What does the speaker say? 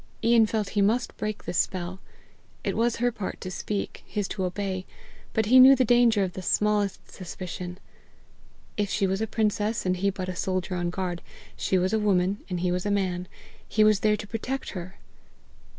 Ian felt he must break the spell. It was her part to speak, his to obey, but he knew the danger of the smallest suspicion. If she was a princess and he but a soldier on guard, she was a woman and he was a man: he was there to protect her!